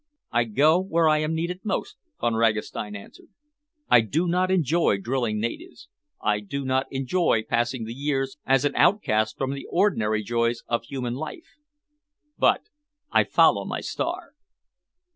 "I go where I am needed most," Von Ragastein answered. "I do not enjoy drilling natives, I do not enjoy passing the years as an outcast from the ordinary joys of human life. But I follow my star."